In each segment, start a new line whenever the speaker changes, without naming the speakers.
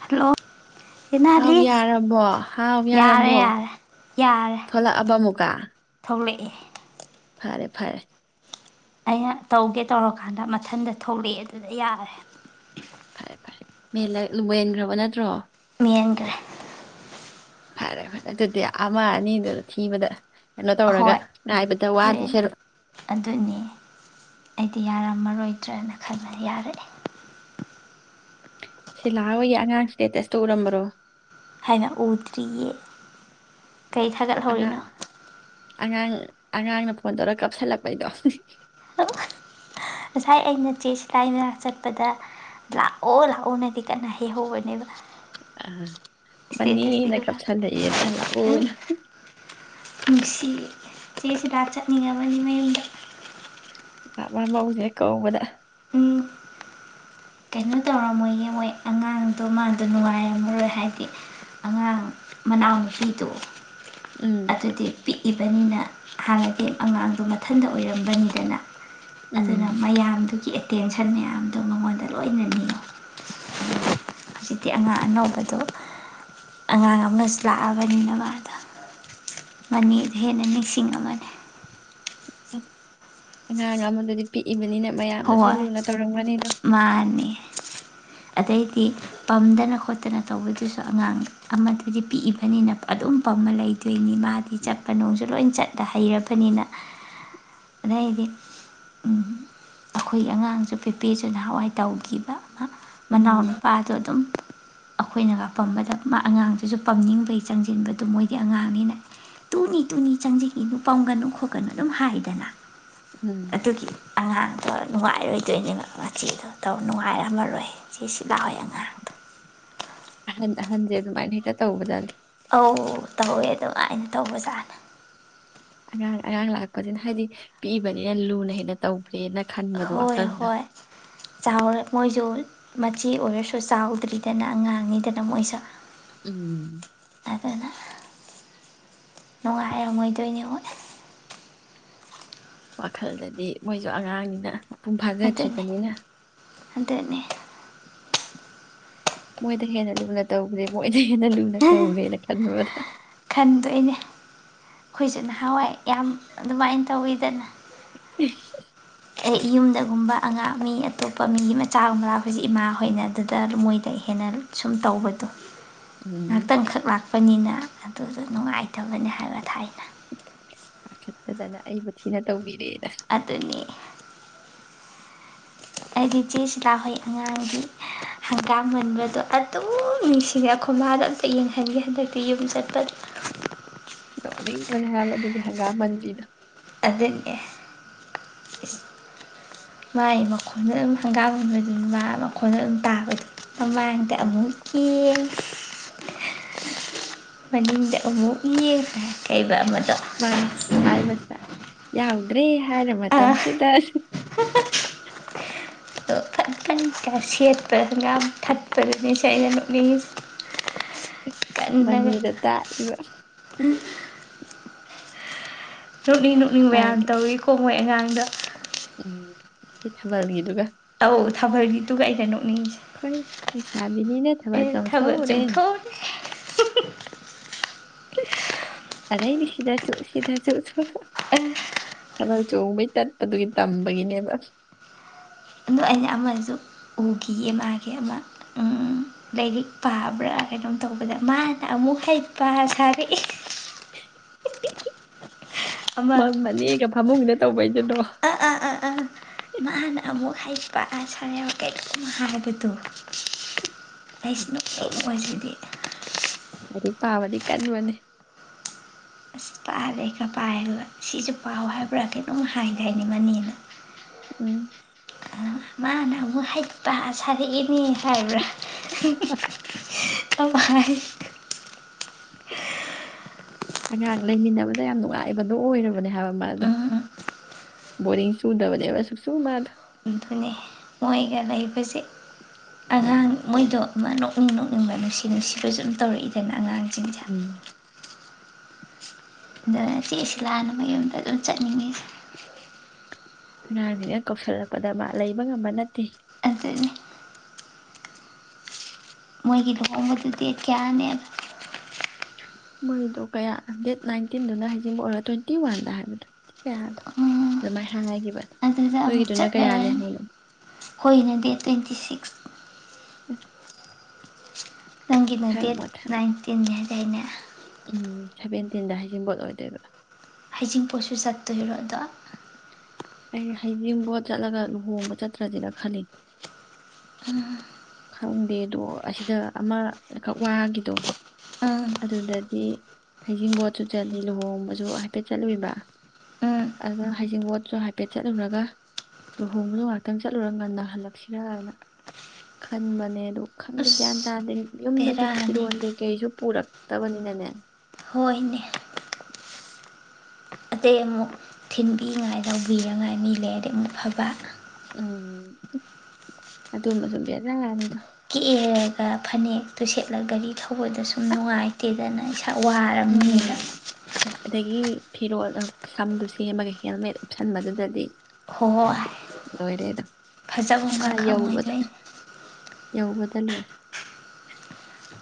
hello
ꯍꯥꯎ
ꯏꯅꯥꯂꯤꯁ
ꯌꯥꯔꯕꯣ ꯍꯥꯎ
ꯌꯥꯔꯦ
ꯌꯥꯔꯕꯣ
ꯌꯥꯔꯦ ꯌꯥꯔꯦ
ꯊꯂꯛꯑꯕ ꯑꯃꯨꯛꯀ
ꯊꯣꯛꯂꯛꯑꯦ
ꯐꯔꯦ ꯐꯔꯦ
ꯑꯩꯅ ꯇꯧꯒꯦ ꯇꯧꯔꯀꯥꯟꯗ ꯃꯊꯟꯇ ꯊꯣꯛꯂꯛꯑꯦ ꯑꯗꯨꯗ ꯌꯥꯔꯦ
ꯃꯂꯥ ꯂꯍꯟꯈ꯭ꯔꯕ ꯅꯠꯇ꯭ꯔꯣ
ꯃꯤꯠꯌꯦꯡꯈ꯭ꯔꯦ
ꯐꯔꯦ ꯐꯔꯦ ꯑꯗꯨꯗꯤ ꯑꯃ ꯑꯅꯤꯗꯨ ꯊꯤꯕꯗ ꯀꯩꯅꯣ ꯇꯧꯔꯒ
ꯍꯣꯏ
ꯉꯥꯏꯕꯗ ꯋꯥꯗꯣꯏ
ꯍꯣꯔꯦꯟ
ꯁꯔꯨꯛ
ꯑꯗꯨꯅꯦ ꯑꯩꯗꯤ ꯌꯥꯔ ꯉꯃꯔꯣꯏꯗ꯭ꯔꯅ ꯈꯕ ꯌꯥꯔꯦ
ꯁꯤꯂꯥꯑꯣꯌꯦ ꯑꯉꯥꯡ ꯁꯇꯇꯨꯁ ꯇꯣ ꯎꯔꯝꯕꯔꯣ
ꯍꯥꯏꯅ ꯎꯗ꯭ꯔꯤꯌꯦ ꯀꯩ ꯊꯥꯒꯠꯍꯧꯔꯤꯅꯣ
ꯑꯉꯥꯡ ꯑꯉꯥꯡ ꯑꯉꯥꯡꯅ ꯐꯣꯟ ꯇꯧꯔꯒ ꯀꯥꯞꯁꯤꯜꯂꯛꯄꯩꯗꯣ
ꯉꯁꯥꯏ ꯑꯩꯅ ꯆꯦ ꯏꯀꯥꯏ ꯃꯅꯥ ꯆꯠꯄꯗ ꯂꯥꯛꯑꯣ ꯂꯥꯛꯑꯣꯅꯗꯤ ꯀꯟꯅ ꯍꯩꯍꯧꯕꯅꯦꯕ
ꯑ
ꯏꯁꯇꯦꯇꯁꯇꯤ
ꯃꯅꯤꯅ
ꯎꯔ
ꯀꯞꯊꯜꯂꯛꯑꯦꯅ ꯂꯥꯛꯑꯣꯅ
ꯅꯨꯡꯁꯤ ꯆꯦꯁꯤꯗ ꯆꯠꯅꯤꯡꯉꯕꯅꯦ ꯃꯌꯨꯝꯗ
ꯃ ꯃꯧꯁꯤꯅ ꯀꯧꯕꯗ
ꯎꯝ ꯀꯩꯅꯣ ꯇꯧꯔꯝꯃꯣꯏ ꯌꯦꯡ ꯃꯣꯏ ꯑꯉꯥꯡꯗꯣ ꯃꯥꯗꯣ ꯅꯨꯡꯉꯥꯏꯔꯝꯃꯔꯣꯏ ꯍꯥꯏꯗꯤ ꯑꯉꯥꯡ ꯃꯅꯥꯎꯅꯨꯄꯤꯗꯣ
ꯎꯝ
ꯑꯗꯨꯗꯤ ꯄꯤꯛꯏꯕꯅꯤꯅ ꯍꯥꯟꯅꯗꯤ ꯑꯉꯥꯡꯗꯣ ꯃꯊꯟꯇ ꯑꯣꯏꯔꯝꯕꯅꯤꯗꯅ ꯑꯗꯨꯅ
ꯎꯝ
ꯃꯌꯥꯝꯗꯨꯒꯤ ꯑꯦꯇꯦꯟꯁꯟ ꯃꯌꯥꯝꯗꯣ ꯃꯉꯣꯟꯗ ꯂꯣꯏꯅ ꯅꯤꯌꯣ ꯍꯧꯖꯤꯛꯇꯤ ꯑꯉꯥꯡ ꯑꯅꯧꯕꯗꯣ ꯑꯉꯥꯡ ꯑꯃꯅ ꯂꯥꯛꯑꯕꯅꯤꯅꯕ ꯑꯗꯣ ꯃꯅꯤꯗ ꯍꯦꯟꯅ ꯅꯤꯡꯁꯤꯡ ꯉꯝꯃꯅꯤ
ꯅꯉꯥꯡ ꯑꯃꯗꯨꯗꯤ ꯄꯤꯛꯏꯕꯅꯤꯅ ꯃꯌꯥꯝꯅꯁꯨ
ꯍꯣꯏ
ꯂꯨꯅ ꯇꯧꯔꯝꯒꯅꯤꯗꯣ
ꯃꯥꯅꯦ ꯑꯗꯩꯗꯤ ꯄꯝꯗꯅ ꯈꯣꯠꯇꯅ ꯇꯧꯕꯗꯨꯁꯨ ꯑꯉꯥꯡ ꯑꯃꯗꯨꯗꯤ ꯄꯤꯛꯏꯕꯅꯤꯅ ꯑꯗꯨꯝ ꯄꯝꯃ ꯂꯩꯗꯣꯏꯅꯤ ꯃꯥ ꯗꯤ ꯆꯠꯄ ꯅꯨꯡꯁꯨ ꯂꯣꯏ ꯆꯠꯇ ꯍꯩꯔꯕꯅꯤꯅ ꯑꯗꯩꯗꯤ ꯎꯝ ꯑꯩꯈꯣꯏꯒꯤ ꯑꯉꯥꯡꯁꯨ ꯄꯦꯄꯦꯁꯨ ꯅꯍꯥꯟꯋꯥꯏ ꯇꯧꯈꯤꯕ ꯃꯅꯥꯎ
ꯎꯝ
ꯅꯨꯄꯥꯗꯣ ꯑꯗꯨꯝ ꯑꯩꯈꯣꯏꯅꯒ ꯄꯝꯕꯗ ꯑꯉꯥꯡꯗꯨꯁꯨ ꯄꯝꯅꯤꯡꯕꯩ ꯆꯪꯁꯤꯟꯕꯗꯨ ꯃꯣꯏꯗꯤ ꯑꯉꯥꯡꯅꯤꯅ ꯇꯨꯅꯤ ꯇꯨꯅꯤ ꯆꯪꯁꯤꯟꯏꯤꯗꯨꯨ ꯄꯝꯒꯅꯨ ꯈꯣꯠꯀꯅꯨ ꯑꯗꯨꯝ ꯍꯥꯏꯗꯅ
ꯎꯝ
ꯑꯗꯨꯒꯤ ꯑꯉꯥꯡ ꯑ ꯅꯨꯡꯉꯥꯏꯔꯣꯏꯗꯣꯏꯅꯦꯕ ꯃꯆꯦꯗꯣ ꯇꯧ ꯅꯨꯡꯉꯥꯏꯔꯝꯃꯔꯣꯏ ꯆꯦ ꯁꯤꯂꯥ ꯍꯣꯏ ꯑꯉꯥꯡꯗꯣ
ꯑꯍꯟ ꯑꯍꯟꯖꯦ ꯑꯗꯨꯃꯥꯏꯅ ꯍꯦꯛꯇ ꯇꯧꯕꯗꯗꯤ
ꯑꯧ ꯇꯧꯋꯦ ꯑꯗꯨꯃꯥꯏꯅ ꯇꯧꯕꯖꯥꯠꯅꯦ
ꯑꯉꯥꯡ ꯑꯉꯥꯡ ꯂꯥꯛꯂꯄꯁꯤꯅ ꯍꯥꯏꯗꯤ ꯄꯤꯛꯏꯕꯅꯤꯅ ꯂꯨꯅ ꯍꯦꯟꯅ ꯇꯧ
ꯍꯣꯏ ꯍꯣꯏ ꯆꯥꯎꯔꯦ ꯃꯣꯏꯁꯨ ꯃꯆꯦ ꯑꯣꯏꯔꯁꯨ ꯆꯥꯎꯗ꯭ꯔꯤꯗꯅ ꯑꯉꯥꯡꯅꯤꯗꯅ ꯃꯣꯏꯁ
ꯎꯝ
ꯑꯗꯨꯅ ꯅꯨꯡꯉꯥꯏꯔꯝꯃꯣꯏꯗꯣꯏꯅꯦ ꯃꯣꯏ
ꯋꯥꯈꯜꯗꯗꯤ ꯃꯣꯏꯁꯨ ꯑꯉꯥꯡꯅꯤꯅ ꯄꯨꯡ
ꯑꯗꯨꯅꯦ
ꯐꯥꯖꯗ꯭ꯔꯤꯕꯅꯤ ꯅ
ꯑꯗꯨꯅꯦ
ꯃꯣꯏꯗ ꯍꯦꯟꯅ ꯂꯨꯅ ꯇꯧꯒ꯭ꯔꯦ ꯃꯣꯏ ꯍꯦꯟꯅ ꯂꯨꯅ ꯇꯧꯔꯦꯅ ꯈꯟꯕꯗꯣ
ꯈꯟꯗꯣꯏꯅꯦ ꯑꯩꯈꯣꯏꯁꯨ ꯅꯍꯥꯟꯋꯥꯏ ꯌꯥꯝ ꯑꯗꯨꯏꯃꯥꯏꯅ ꯇꯧꯋꯤꯗꯅ
[unintelligible]
ꯑꯦ ꯌꯨꯝꯗꯒꯨꯝꯕ ꯑꯉꯥꯡ ꯃꯤ ꯑꯇꯣꯞꯄ ꯃꯤꯒꯤ ꯃꯆꯥꯒꯨꯝꯕ ꯂꯥꯛꯄꯁꯦ ꯏꯃꯥ ꯍꯣꯏꯅ ꯑꯗꯨꯗ ꯃꯣꯏꯗ ꯍꯦꯟꯅ ꯁꯨꯝ ꯇꯧꯕꯗꯣ
ꯎꯝ
ꯉꯥꯏꯍꯥꯛꯇꯪꯈꯛ ꯂꯥꯛꯄ ꯆꯠꯄꯅꯤꯅ ꯑꯗꯨꯗꯣ ꯅꯨꯡꯉꯥꯏꯇꯕꯅꯤ ꯍꯥꯏꯕ ꯊꯥꯏꯅ
ꯄꯥꯈꯠꯇꯗꯅ ꯑꯩꯕꯨ ꯊꯤꯅ ꯇꯧꯕꯤ
ꯑꯗꯨꯅꯤ ꯑꯩꯗꯤ ꯆꯦ ꯁꯤꯂꯥ ꯍꯣꯏ ꯑꯉꯥꯡꯗꯤ ꯍꯪꯒꯥꯝ ꯃꯟꯕꯗꯣ ꯑꯗꯨꯝ ꯅꯤꯡꯁꯤꯡꯉꯦ ꯑꯩꯈꯣꯏ ꯃꯥꯗ ꯑꯝꯇ ꯌꯦꯡꯍꯟꯒꯦ ꯍꯟꯗꯛꯇꯤ ꯌꯨꯝ ꯆꯠꯄꯗ
ꯇꯧꯕꯅꯦ ꯍꯥꯏꯕ ꯑꯗꯨꯒꯤ ꯍꯪꯒꯥꯝ ꯃꯟꯗ꯭ꯔꯤꯗꯣ
ꯑꯗꯨꯅꯦ ꯃꯥꯒꯤ ꯃꯈꯣꯟꯅ ꯑꯗꯨꯝ ꯍꯪꯒꯥꯝꯕꯗꯨ ꯃꯥ ꯃꯈꯣꯟꯅ ꯑꯗꯨꯝ ꯇꯥꯕꯗꯨ ꯃꯃꯥꯡꯗ
ꯎꯝ
ꯑꯃꯨꯛ ꯌꯦꯡ [inaudible] ꯃꯅꯤꯡꯗ ꯑꯃꯨꯛ ꯌꯦꯡ ꯀꯩꯕ ꯑꯃ
ꯃꯥꯅꯦ ꯍꯥꯏꯕꯖꯤꯗ ꯌꯥꯎꯗ꯭ꯔꯦ ꯍꯥꯏꯔ
ꯑꯥ
ꯃꯇꯝꯁꯤꯗ
[inaudible] ꯐꯠ ꯐꯠ
ꯎꯝ,
ꯀꯥ ꯁꯦꯠ ꯕ ꯉꯥꯡ ꯊꯠꯄꯗꯨꯗꯤꯅꯤ ꯁꯦ ꯑꯩꯅ ꯅꫭꯛꯉꯤꯁꯦ
ꯃꯅꯤꯗ ꯇꯥꯛꯏꯕ
ꯅꯣꯠꯅꯤ ꯅꯨꯅꯤ ꯃꯌꯥꯝ ꯇꯧꯋꯀꯣ ꯃꯣꯏ ꯑꯉꯥꯡ ꯑꯩꯗ
ꯎꯝꯦ ꯊꯕ ꯅꯗꯨꯒ
ꯑꯧ ꯊꯥꯕꯜꯒꯤꯗꯨꯨꯒꯥꯏꯅ ꯅꯣꯛꯅꯤꯁꯦ
ꯑꯩꯈꯣꯏ ꯂꯩꯁꯥꯕꯤꯅꯤꯅ
ꯑꯦ ꯊꯥꯕꯜ
ꯆꯣꯡꯊꯣꯛꯎꯔꯦ
ꯆꯊꯣꯛꯅꯦ
ꯑꯗꯥꯏꯅꯤ ꯁꯤꯗꯥ ꯆ ꯁꯤꯗꯥ ꯆ
ꯑꯥ
ꯑꯕ ꯑꯆꯣꯡꯧꯕꯩ ꯇꯠꯄꯗꯨꯒꯤ ꯇꯝꯕꯒꯤꯅꯦꯕ
ꯑꯗꯣ ꯑꯩꯅ ꯑꯃꯁꯨ ꯎꯈꯤꯌꯦ ꯃꯥꯒꯤ ꯑꯃ ꯂꯥꯏꯔꯤꯛ ꯄꯥꯕ꯭ꯔꯥ ꯀꯩꯅꯣꯝ ꯇꯧꯕꯗ ꯃꯥꯅ ꯑꯃꯨꯛ ꯍꯩꯄ ꯁꯥꯔꯛꯑꯦ
ꯃ ꯃꯅꯤ ꯀ ꯐꯝꯨꯒꯅ ꯇꯧ
ꯑ ꯑꯥ ꯑꯥ ꯑꯥ ꯃꯥꯅ ꯑꯃꯨꯛ ꯍꯥꯏꯁꯤ ꯄꯥꯥ ꯁꯥꯟꯕ ꯀꯔꯤꯨꯝ ꯍꯥꯏꯕꯗꯣ ꯑꯩꯁ ꯅꯨꯄꯤ ꯑꯣꯏꯁꯤꯗꯤ
ꯀꯔꯤ ꯄꯥꯕꯗꯤ ꯀꯟꯕꯅꯦ
ꯑꯁ ꯄꯥꯔꯦꯒ ꯄꯥꯏꯒ ꯁꯤꯁꯨ ꯄꯥꯎ ꯍꯥꯏꯕ꯭ꯔꯥ ꯀꯩꯅꯣꯝ ꯍꯥꯏꯒ ꯍꯥꯏꯅꯤ ꯃꯅꯦꯅ
ꯎꯝ
ꯃꯥꯅ ꯑꯃꯨꯛ ꯍꯩꯄ ꯁꯥꯔꯛꯏꯅꯦ ꯍꯥꯏꯕ꯭ꯔꯥ [inaudible] ꯀꯃꯥꯏ
ꯑꯉꯥꯡ ꯂꯩꯃꯤꯟꯅꯕꯗ ꯌꯥꯝ ꯅꯨꯡꯉꯥꯏꯕꯗꯣ ꯑꯣꯏꯔꯕꯅꯦ ꯍꯥꯏꯕ ꯃꯗꯣ
ꯎꯝ
ꯕꯣꯔꯤꯡ ꯆꯨꯗꯕꯅꯦꯕ ꯁꯨꯛꯆꯨ ꯃꯥꯗꯣ
ꯑꯗꯨꯅꯦ ꯃꯣꯏꯒ ꯂꯩꯕꯁꯦ ꯑꯉꯥꯡ ꯃꯣꯏꯗꯣ ꯑꯃ ꯅꯣꯛꯅꯤꯡ ꯅꯣꯛꯅꯤꯡꯕ ꯅꯨꯡꯁꯤ ꯅꯨꯡꯁꯤꯕꯁꯨ ꯑꯗꯨꯝ ꯇꯧꯔꯛꯏꯗꯅ ꯑꯉꯥꯡ ꯆꯤꯡ
ꯎꯝ
ꯑꯗꯨꯒ ꯆꯦꯛ ꯑꯁꯤ ꯂꯥꯟꯅ ꯃꯌꯨꯝꯗ ꯑꯗꯨꯝ ꯆꯠꯅꯤꯡꯉꯤꯁꯦ
ꯗ ꯂꯩꯕ ꯉꯝꯕ ꯅꯠꯇꯦ
ꯑꯗꯨꯅꯦꯅꯤ ꯃꯣꯏꯒꯤ ꯂꯨꯍꯣꯡꯕꯗꯨꯗꯤ ꯀꯌꯥꯅꯦꯅ
ꯃꯣꯏꯗꯣ ꯀꯌꯥ ꯗꯦꯠ ꯅꯥꯏꯟꯇꯤꯟꯗꯨꯅ ꯍꯖꯤꯡꯕ ꯑꯣꯏꯔꯣ ꯇ꯭ꯋꯦꯟꯇꯤ ꯋꯥꯟꯗ ꯍꯥꯏꯕꯗꯣ ꯀꯌꯥꯗꯣ
ꯑꯣ
ꯑꯗꯨꯃꯥꯏꯅ ꯍꯥꯏꯈꯤꯕꯅꯦ
ꯑꯗꯨꯗ ꯑꯃꯨꯛ
ꯅꯣꯏꯒꯤꯗꯨꯅ ꯀꯌꯥꯅꯤ
ꯆꯠꯂꯔꯅꯤ
ꯍꯥꯏꯅꯣ
ꯑꯩꯣꯏꯅ ꯗꯦꯠ ꯇ꯭ꯋꯦꯟꯇꯤ ꯁꯤꯛꯁ
ꯎꯝ
ꯅꯪꯒꯤꯅ ꯗꯦꯠ ꯅꯥꯏꯟꯇꯤꯟꯅꯤ ꯍꯥꯏ ꯀꯥꯏꯩꯅ
ꯎꯝ ꯁꯦꯚꯦꯟꯇꯤꯟꯗ ꯍꯥꯏꯖꯕꯣꯠ ꯑꯣꯏꯗꯣꯏꯕ
ꯍꯩꯖꯤꯡꯄꯣꯠꯁꯨ ꯆꯠꯇꯣꯏꯔꯣ ꯑꯗꯣ
ꯑꯩ ꯍꯩꯖꯤꯡꯕꯣꯠ ꯆꯠꯂꯒ ꯂꯨꯍꯣꯡꯕ ꯆꯠꯇ꯭ꯔꯁꯦꯅ ꯈꯜꯂꯤ ꯈꯪꯗꯦꯗꯣ ꯑꯁꯤꯗ ꯑꯃꯈꯛ ꯋꯥꯈꯤꯗꯣ
ꯎꯝ
ꯑꯗꯨꯗꯗꯤ ꯍꯩꯖꯤꯡꯕꯣꯠꯁꯨ ꯆꯠꯂꯤ ꯂꯨꯍꯣꯡꯕꯁꯨ ꯍꯥꯏꯐꯦꯠ ꯆꯠꯂꯨꯏꯕ
ꯎꯝ
ꯑꯗꯨꯗꯣ ꯍꯩꯖꯤꯡꯕꯣꯠꯁꯨ ꯍꯥꯏꯐꯦꯠ ꯆꯠꯂꯨꯔꯒ ꯂꯨꯍꯣꯡꯕꯁꯨ ꯉꯥꯛꯇꯪ ꯆꯠꯂꯨꯔ ꯉꯟꯅꯍꯜꯂꯛꯁꯤꯔꯅ ꯈꯟꯕꯅꯦ ꯑꯗꯣ ꯈꯪꯗꯦ ꯒ꯭ꯌꯥꯟ
ꯑꯁ
ꯇꯥꯔꯗꯦ ꯌꯨꯝꯗꯒꯤ
ꯕꯦꯔꯥꯅꯤ
ꯐꯤꯔꯣꯟ ꯀꯩꯀꯩꯁꯨ ꯄꯨꯔꯛꯄ ꯇꯒꯅꯤ ꯅꯅꯦ
ꯍꯣꯏꯅꯦ ꯑꯇꯩꯩ ꯑꯃꯨꯛ ꯊꯤꯟꯕꯤꯉꯥꯏ ꯂꯧꯕꯤꯅꯉꯥꯏ ꯃꯤ ꯂꯩ ꯑꯗꯩ ꯑꯃꯨꯛ ꯐꯕ
ꯎꯝ ꯑꯗꯨꯝꯕ ꯁꯨꯝ ꯌꯦꯦꯂꯛꯑꯅꯤꯗꯣ
ꯀꯤꯛꯑꯦꯔꯒ ꯐꯅꯦꯛꯛꯇꯨ ꯁꯦꯠꯂꯒ ꯒꯥꯔꯤ ꯊꯧꯕꯣꯏꯗ ꯁꯨꯝ ꯅꯨꯡꯉꯥꯏꯇꯦꯗꯅ ꯏꯁꯥ
ꯎꯝ
ꯋꯥꯔꯕꯅꯤꯅ
ꯑꯗꯒꯤ ꯐꯤꯔꯣꯜ ꯁꯝꯗꯨꯣ ꯁꯦꯝꯃꯒ ꯍꯦꯜꯃꯦꯠ ꯎꯞꯁꯟꯕꯗꯨꯗꯗꯤ
ꯍꯣꯏ
ꯂꯣꯏꯔꯦꯗ
ꯐꯖꯕꯒ ꯈꯪꯉꯥꯏꯖꯩꯅꯦ
ꯌꯥꯎꯧꯕ ꯊꯜꯋꯥ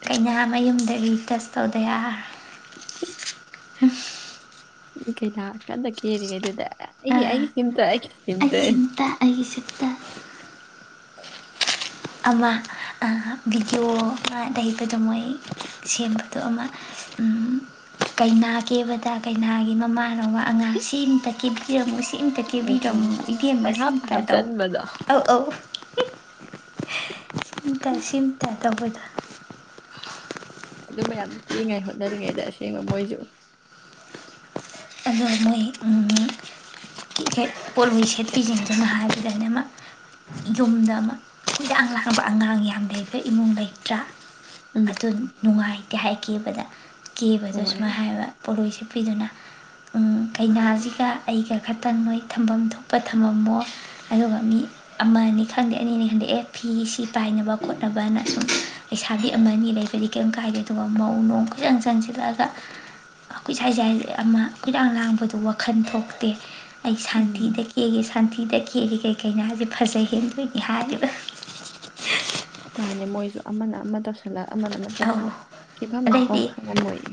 ꯀꯩꯌꯥ ꯃꯌꯨꯝꯗꯒꯤ ꯑꯦꯖꯁ ꯇꯧꯗ
[inaudible] [inaudible] [inaudible]
ꯑ
ꯀꯩ ꯂꯀꯥꯟꯗ ꯀꯦꯔꯤꯦ ꯀꯩꯗꯨꯗ ꯑꯩ ꯑꯩꯒꯤꯝꯇ ꯑꯩꯒꯤ ꯅꯤꯡꯝꯇ
ꯇ ꯑꯩꯒꯤꯁꯤꯛꯇ ꯑꯃ ꯚꯤꯗꯤꯑꯣ ꯑꯃꯗꯩꯕꯗꯣ ꯃꯣꯏ ꯁꯦꯝꯕꯗꯣ ꯑꯃ ꯀꯩꯅꯥ ꯀꯦꯕꯗ ꯀꯩꯅꯥꯒꯤ ꯃꯃꯥ ꯑꯅꯧꯕ ꯑꯉꯥꯡ ꯁꯤꯃꯇ ꯀ ꯑꯃꯨ ꯁꯤꯝꯇ
ꯎꯝ ꯎꯝ
ꯀꯦꯕꯤꯔꯝꯃꯨ ꯏꯕꯦꯝꯃ
ꯄꯪꯍꯥꯞꯇ
ꯁꯤꯟꯇ ꯇꯧ
ꯍꯥꯞꯆꯟꯕꯗꯣ
ꯑꯧ ꯑꯧ [inaudible]
[inaudible]
ꯁꯤꯝꯇ ꯁꯤꯝꯇ ꯇꯧꯕꯗ
ꯑꯗꯨ ꯃ ꯌꯥꯝ ꯀꯤꯛꯉꯥꯏ ꯍꯣꯠꯅꯔꯤꯉꯩꯗ ꯑꯁꯦꯡꯕ ꯃꯣꯏꯁꯨ
ꯑꯗꯨ ꯃꯣꯏ ꯄꯣꯠꯂꯣꯏ ꯁꯦꯠꯄꯤꯁꯤꯟꯗꯅꯣ ꯍꯥꯏꯕꯗꯅ ꯑꯃ ꯌꯨꯝꯗ ꯑꯃ ꯍꯤꯗꯥꯛ ꯂꯥꯡꯕ ꯑꯉꯥꯡ ꯌꯥꯝ ꯂꯩꯕ ꯏꯃꯨꯡ ꯂꯩꯇ꯭ꯔꯥ
ꯎꯝ
ꯑꯗꯨ ꯅꯨꯡꯉꯥꯏ ꯍꯥꯏꯈꯤꯕꯗ ꯀꯦꯕꯗꯣ
ꯍꯣꯏ
ꯁꯨꯃꯥꯏ ꯍꯥꯏꯌꯦꯕ ꯄꯣꯠꯂꯣꯏꯁꯦ ꯍꯥꯞꯄꯤꯗꯨꯅ ꯀꯩꯅꯥꯁꯤꯒ ꯑꯩꯒ ꯈꯠꯇꯪ ꯅꯣꯏ ꯊꯝꯐꯝ ꯊꯣꯛꯄ ꯊꯝꯃꯝꯃꯣ ꯑꯗꯨꯒ ꯃꯤ ꯑꯃꯅꯤꯅꯤ ꯈꯪꯗꯦ ꯑꯅꯤꯅꯤ ꯈꯪꯗꯦ ꯑꯦ ꯐꯤ ꯁꯤ ꯄꯥꯏꯅꯕ ꯈꯣꯠꯅꯕꯅ ꯁꯨꯝ ꯄꯩꯁꯥꯕꯤ ꯑꯃꯅꯤ ꯂꯩꯕꯗꯤ ꯀꯔꯤꯝ ꯀꯥꯏꯗꯦ ꯑꯗꯨꯒ ꯃꯧ ꯅꯣꯡ ꯈꯖꯪ ꯆꯪꯁꯤꯜꯂꯛꯑꯒ ꯑꯩꯠ ꯁꯥꯏ ꯁꯥꯏ ꯑꯃ ꯀꯣꯏꯔꯥꯡ ꯂꯥꯡꯕꯗꯨꯣ ꯋꯥꯈꯜ ꯊꯣꯛꯈ꯭ꯔꯦ ꯑ ꯑꯩꯒꯤ
ꯎꯝ
ꯁꯥꯟꯇꯤꯗꯒꯤ ꯑꯩꯒꯤ ꯁꯥꯟꯇꯤ ꯁꯤꯤꯗ ꯀꯦꯔꯤ ꯀꯔꯤ ꯀꯅꯥꯁꯦ ꯐꯖꯩ ꯍꯦꯟꯗꯣꯏꯅꯤ ꯍꯥꯏꯔꯤꯕ
ꯃꯥꯅꯦ ꯃꯣꯏꯁꯨ ꯑꯃꯅ ꯑꯃ ꯇꯧꯁꯜꯂꯛ ꯑꯃꯅ ꯑꯃ
ꯑꯧ
ꯆꯁꯤꯅ ꯈꯤꯐꯝꯝ ꯂꯥꯛꯐꯝ
ꯑꯗꯩꯗꯤ
ꯈꯪꯉꯝꯃꯣꯏꯌꯦ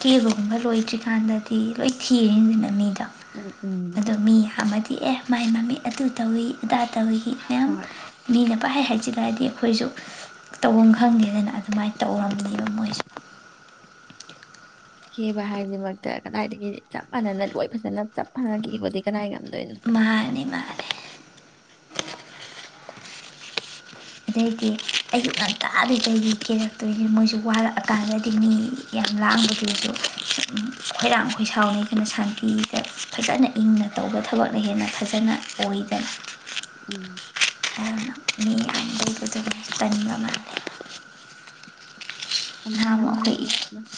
ꯀꯦꯕꯒꯨꯝꯕ ꯂꯣꯏꯗ꯭ꯔꯤꯀꯥꯟꯗꯗꯤ ꯂꯣꯏ ꯊꯤꯔꯦꯁꯤꯅ ꯃꯤꯗꯤ
ꯎꯝ ꯎꯝ
ꯑꯣ ꯃꯤ ꯑꯃ ꯏꯤ ꯑꯦ ꯃꯥꯏ ꯃꯃꯤ ꯑꯗꯨ ꯇꯧꯏꯤ ꯑꯗꯥ ꯇꯧꯏꯤ
ꯑꯣ
ꯍꯥꯏ ꯍꯥꯏꯁꯤꯗꯔꯗꯤ ꯑꯩꯈꯣꯏꯁꯨ ꯇꯧꯐꯝ ꯈꯪꯗꯦꯗꯅ ꯑꯗꯨꯃꯥꯏꯅ ꯇꯧ
ꯎꯝ ꯀꯦꯕ ꯍꯥꯏꯁꯤꯃꯛꯇ ꯀꯗꯥꯏꯗꯒꯤ ꯆꯞ ꯃꯥꯟꯅꯅ ꯂꯣꯏ ꯐꯖꯅ ꯆꯞ ꯃꯥꯟꯅ ꯀꯦꯕꯗꯤ ꯀꯅꯥꯒ
ꯃꯥꯅꯦ ꯃꯥꯅꯦꯦ ꯑꯗꯩꯗꯤ ꯑꯌꯨꯛ ꯉꯥꯟꯇꯥꯥꯟꯗꯗꯒꯤ ꯀꯦꯔꯛꯇꯣꯏꯁ ꯃꯣꯏꯁꯨ ꯋꯥꯔꯛꯑꯀꯥꯟꯗꯗꯤ ꯃꯤ ꯌꯥꯝ ꯂꯥꯡꯕꯗꯨꯁꯨ ꯈꯣꯏꯔꯥꯡ ꯈꯣꯏ ꯁꯥꯎꯅꯤ ꯀꯅꯣ ꯁꯥꯟꯇꯤꯗ ꯐꯖꯅ ꯏꯪꯅ ꯇꯧꯕ ꯊꯕꯛꯅ ꯍꯦꯟꯅ ꯐꯖꯅ ꯑꯣꯏꯗꯅ
ꯎꯝ
ꯃꯤ ꯑꯕꯗꯨ ꯇꯟꯕ ꯃꯥꯦ ꯅꯍꯥ
ꯑꯃꯅ ꯑꯃ
ꯑꯃꯨꯛ
ꯍꯥꯏꯖꯤꯜꯂ
ꯑꯩꯈꯣꯏ
ꯑꯃꯅ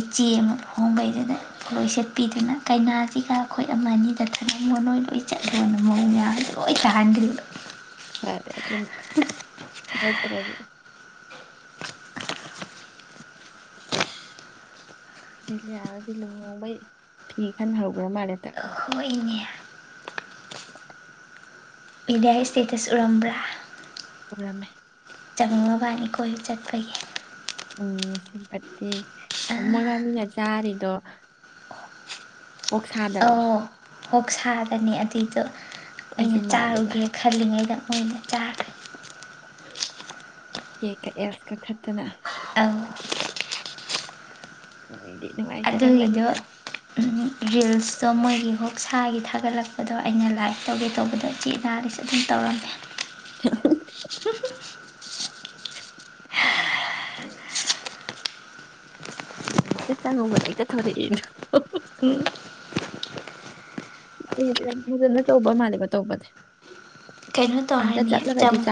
ꯏꯆꯦ ꯑꯃ ꯍꯍꯣꯡꯕꯩꯗꯨꯗꯂꯣꯏ ꯁꯦꯠꯄꯤꯗꯅ ꯀꯩꯅꯥꯁꯤꯒ ꯑꯩꯈꯣꯏ ꯑꯃ ꯑꯅꯤꯗ ꯊꯅ ꯃ ꯅꯣꯏ ꯂꯣꯏ ꯆꯠꯂꯣꯅ ꯃꯑꯣꯡ ꯃꯌꯥꯝ ꯂꯣꯏ ꯇꯥꯍꯟꯗ꯭ꯔꯤꯕ
ꯍ ꯑꯗꯨ ꯂꯧꯠꯇ꯭ꯔꯗꯤ ꯕꯤꯦꯂꯌꯥꯒꯗꯤ ꯂꯨꯍꯣꯡꯕꯩ ꯐꯤ ꯈꯟ ꯍꯧꯈ꯭ꯔ ꯃꯥꯜꯂꯦꯗ
ꯍꯣꯏꯅꯦ ꯏꯟꯗꯤꯌꯥ ꯏꯁꯇꯦꯇꯁ ꯎꯔꯝꯕ꯭ꯔꯥ
ꯑꯣꯔꯝꯃꯦ
ꯆꯪꯅꯤꯡꯉꯕꯅꯤ ꯑꯩ ꯀꯣꯏꯁꯨ ꯆꯠꯄꯒꯤ
ꯎꯝ ꯁꯤꯄꯇꯤ
ꯑꯥ
ꯃꯒꯅꯤꯅ ꯆꯔꯅꯤ ꯑꯣ ꯑꯣꯣꯛ ꯊꯥꯗꯔꯣꯑꯣ
ꯑꯣꯛ ꯁꯥꯔꯅꯤ ꯑꯗꯨꯏꯗꯣ
ꯑꯩꯁꯨ
ꯑꯩꯅ
ꯃꯥꯜꯂꯦꯕ
ꯆꯥꯔꯨꯒꯦ ꯈꯜꯂꯤꯉꯩꯗ ꯃꯅ ꯆꯥꯔꯦ
ꯀ ꯀ ꯑꯦꯁ ꯀ ꯈꯠꯇꯅ
ꯑꯪ
ꯎ
ꯑꯗꯨꯒꯤꯗꯣ ꯔꯤꯜꯁꯇꯣ ꯃꯣꯏꯒꯤ ꯍ ꯈꯨꯧꯁꯥꯒꯤ ꯊꯥꯒꯠꯂꯛꯄꯗꯣ ꯑꯩꯅ ꯂꯥꯏꯔꯤꯛ ꯇꯧꯒꯦ ꯇꯧꯕꯗꯣ ꯏꯆ ꯏꯅꯥꯗꯁꯨ ꯑꯗꯨꯝ ꯇꯧꯔꯝꯃꯦ [unintelligible]
ꯥꯏꯛꯇ ꯆꯪꯉꯕꯗ ꯑꯩꯛꯇ ꯊꯧꯔꯦ
ꯎꯝ
ꯑꯩ ꯌꯥꯝ ꯐꯖꯅ ꯇꯧꯕ ꯃꯥꯜꯂꯦꯀ ꯇꯧꯕꯅꯦ
ꯀꯩꯅꯣ ꯇꯧꯔꯅꯤ ꯆꯃꯨ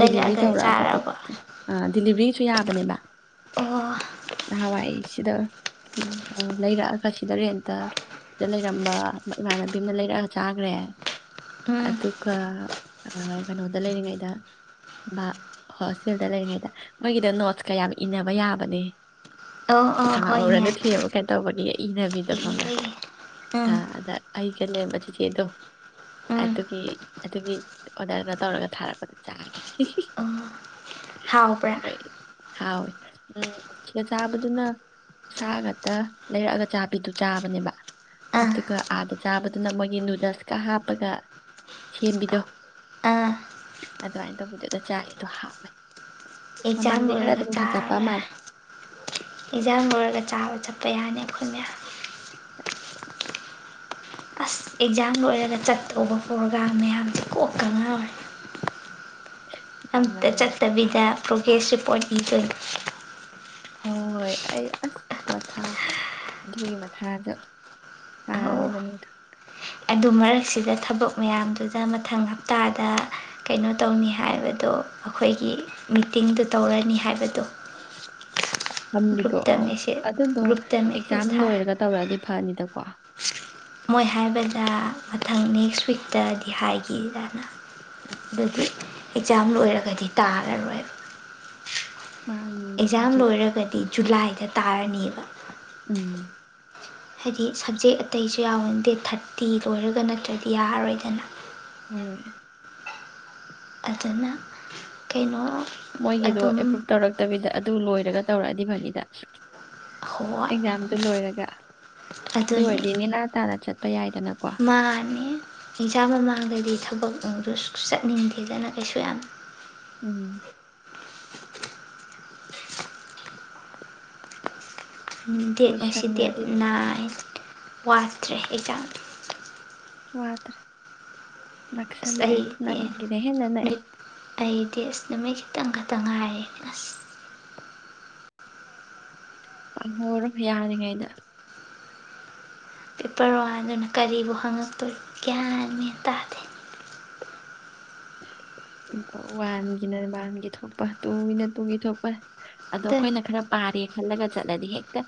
ꯗꯤꯂꯤꯚꯔꯤ ꯇꯧꯔꯛꯑꯒꯗꯤ
ꯆꯥꯔꯕꯣ
ꯑ ꯗꯤꯂꯤꯚꯔꯤ ꯁꯨ ꯌꯥꯕꯅꯦꯕ
ꯑꯣ
ꯅꯍꯥꯟ ꯋꯥꯏ ꯁꯤꯗ ꯂꯩꯔꯛꯑꯒ ꯁꯤꯗ ꯔꯦꯟꯇ ꯁꯤꯗ ꯂꯩꯔꯝꯕ ꯏꯃꯥꯟꯅꯕꯤ ꯑꯃꯅ ꯂꯩꯔꯛꯑꯒ ꯆꯥꯈ꯭ꯔꯦ
ꯎꯝ
ꯑꯗꯨꯒ ꯀꯩꯅꯣꯗ ꯂꯩꯔꯤꯉꯩꯗ ꯍꯣꯁꯇꯦꯜꯗ ꯂꯩꯔꯤꯉꯩꯗ ꯃꯣꯏꯒꯤꯗ ꯅꯣꯠꯁꯀꯌꯥꯝ ꯏꯟꯅꯕ ꯌꯥꯕꯅꯦ
ꯑꯣ ꯑꯣ
ꯑꯣꯔ
ꯍꯣꯏꯅꯦ
ꯑꯗꯨ ꯊꯕ ꯀꯩꯇꯧꯕꯏ ꯈꯪꯕꯔꯥ
ꯏꯈꯩ ꯎꯝ
ꯊꯤꯒꯅꯦ ꯃꯆꯤꯆꯦꯗꯣ
ꯎꯝ
ꯑꯗꯨꯒꯤ ꯑꯗꯨꯒꯤ ꯑꯣꯗꯔꯅ ꯇꯧꯔꯒ ꯊꯥꯔꯛꯄꯗ ꯆꯥꯒꯅꯤ
ꯍꯥꯎꯕꯔꯥ
ꯍꯥꯎꯋꯦ ꯎꯝ ꯁꯤꯒ ꯆꯥꯕꯗꯨꯅ ꯁꯥ ꯉꯇ ꯂꯩꯔꯛꯑꯒ ꯑꯆꯥꯕꯤꯗꯨ ꯆꯥꯕꯅꯦꯕ
ꯑꯥ
ꯑꯗꯨꯒ ꯑꯥꯗ ꯆꯥꯕꯗꯨꯅ ꯃꯣꯏꯒꯤ ꯅꯨꯗꯜꯁꯀ ꯍꯥꯞꯄꯒ ꯁꯦꯝꯕꯤꯗꯣ
ꯑꯥ
ꯑꯗꯨꯃꯥꯏꯅ ꯇꯧꯕꯤꯗꯨꯒ ꯆꯥꯏꯔꯤꯗꯣ ꯍꯥꯞꯂꯦ
ꯑꯦꯛꯖꯥꯝ ꯂꯣꯏꯔꯒ ꯆꯥꯔ
ꯃꯥꯜꯂꯦ
ꯑꯦꯛꯖꯥꯝ ꯂꯣꯏꯔꯒ ꯆꯥꯕ ꯆꯠꯄ ꯌꯥꯅꯤ ꯑꯩꯈꯅ ꯑꯁ ꯑꯦꯛꯖꯥꯝ ꯂꯣꯏꯔꯒ ꯆꯠꯇꯎꯕ ꯄ꯭ꯔꯣꯒ꯭ꯔꯥꯝ ꯃꯌꯥꯝꯁꯦ ꯀꯣꯛꯀꯉꯔꯦ ꯑꯝꯇ
ꯌꯥꯝꯃꯟꯗꯅ
ꯆꯠꯇꯕꯤꯗ ꯄ꯭ꯔꯣꯒ꯭ꯔꯦꯁ ꯔꯤꯄꯣꯔꯟꯠ ꯏꯈ
ꯍꯣꯏ ꯍꯣꯏ ꯑꯩ ꯑꯁ ꯃꯊꯥ ꯑꯗꯨꯒꯤ ꯃꯊꯥꯗ
ꯑꯧ
ꯁꯥꯥꯔꯤꯕꯅꯤꯗ
ꯑꯗꯨ ꯃꯔꯛꯁꯤꯗ ꯊꯕꯛ ꯃꯌꯥꯝꯗꯨꯗ ꯃꯊꯪ ꯍꯞꯇꯥꯗ ꯀꯩꯅꯣ ꯇꯧꯅꯤ ꯍꯥꯏꯕꯗꯣ ꯑꯩꯈꯣꯏꯒꯤ ꯃꯤꯇꯤꯡꯗꯨ ꯇꯧꯔꯅꯤ ꯍꯥꯏꯕꯗꯣ
ꯍꯝꯕꯤꯗꯣ
ꯒ꯭ꯔꯨꯞꯇ
ꯑꯧ
ꯃꯦꯁꯦꯖ
ꯑꯗꯨꯗꯣ
ꯒ꯭ꯔꯨꯞꯇ ꯃꯦꯁꯦꯖ
ꯑꯦꯛꯖꯥꯝ
ꯊꯥ
ꯂꯣꯏꯔꯒ ꯇꯧꯔꯛꯑꯗꯤ ꯐꯅꯤꯗꯀꯣ
ꯃꯣꯏ ꯍꯥꯏꯕꯗ ꯃꯊꯪ ꯅꯦꯛꯁ ꯋꯤꯛꯇꯗꯤ ꯍꯥꯏꯈꯤꯗꯅ
ꯎꯝ,
ꯑꯗꯨꯗꯤ ꯑꯦꯛꯖꯥꯝ ꯂꯣꯏꯔꯒꯗꯤ ꯇꯥꯔꯔꯣꯏꯕ
ꯃꯥꯅꯤ
ꯑꯦꯖꯥ ꯌꯥꯝ
ꯍꯧꯖꯤꯛ
ꯂꯣꯏꯔꯒꯗꯤ ꯖꯨꯂꯥꯏꯗ ꯇꯥꯔꯅꯦꯕ
ꯎꯝ
ꯍꯥꯏꯗꯤ ꯁꯞꯖꯦꯛ ꯑꯇꯩꯁꯨ ꯌꯥꯎꯋ ꯗꯦꯠ ꯊꯥꯔꯇꯤ ꯂꯣꯏꯔꯒ ꯅꯠꯇ꯭ꯔꯗꯤ ꯌꯥꯔꯔꯣꯏꯗꯅ
ꯍꯣꯏ
ꯑꯗꯨꯅ ꯀꯩꯅꯣ
ꯃꯣꯏꯒꯤꯗꯣ
ꯑꯗꯨꯝ
ꯑꯦꯄ꯭ꯔꯨꯨꯞ ꯇꯧꯔꯛꯇꯕꯤꯗ ꯑꯗꯨ ꯂꯣꯏꯔꯒ ꯇꯧꯔꯛꯑꯗꯤꯕꯅꯤꯗ
ꯍꯣꯏ
ꯑꯦꯛꯖꯥꯝꯗꯨ ꯂꯣꯏꯔꯒ ꯑꯗꯨ
ꯑꯗꯨꯅꯤ
ꯑꯣꯏꯔꯗꯤ ꯅꯅꯤꯂꯥ ꯇꯥꯅ ꯆꯠꯄ ꯌꯥꯏꯗꯅꯀꯣ
ꯑꯦꯟꯁꯥꯡ ꯃꯃꯥꯡꯗꯗꯤ ꯊꯕꯛꯗꯨ ꯆꯠꯅꯤꯡꯗꯦꯗꯅ ꯀꯩꯁꯨ ꯌꯥꯝ
ꯎꯝ
ꯗꯦꯠ ꯉꯁꯤ ꯗꯦꯠ
ꯂꯣꯏꯁꯟꯒ꯭ꯔꯗꯤ
ꯅꯥꯏꯟ
ꯐꯔꯦ,
ꯋꯥꯗ꯭ꯔꯦ ꯑꯦꯛꯖꯥꯝ
ꯋꯥꯗ꯭ꯔꯦ
ꯑꯁ
ꯅꯛꯁꯜꯂꯛꯑꯦ
ꯑꯩꯗꯤ
ꯅꯪꯒꯤꯅ ꯍꯦꯟꯅ ꯅꯛꯑꯦ
ꯅꯨꯠ ꯑꯩꯗꯤ ꯑꯁ ꯅꯨꯃꯤꯠ ꯈꯤꯇꯪ ꯈꯛꯇꯪ ꯉꯥꯏꯔꯦ ꯑꯁ
ꯍꯣꯔꯝ ꯌꯥꯔꯤꯉꯩꯗ
ꯄꯦꯄꯔ ꯋꯥꯟꯗꯨꯅ ꯀꯔꯤꯕꯨ ꯍꯪꯉꯛ ꯇꯣꯏꯅꯣ ꯒ꯭ꯌꯥꯟꯕꯨ ꯇꯥꯗꯦ
ꯄꯦꯄꯔ ꯋꯥꯟꯒꯤꯅ ꯋꯥꯟꯒꯤ ꯊꯣꯛꯄ ꯇꯨꯒꯤꯅ ꯇꯨꯒꯤ ꯊꯣꯛꯄ ꯑꯗꯣ
ꯑꯗꯨꯅꯤ
ꯑꯩꯈꯣꯏꯅ ꯈꯔ ꯄꯥꯔꯦ ꯐꯜꯂꯒ ꯆꯠꯂꯗꯤ ꯍꯦꯛꯛꯇ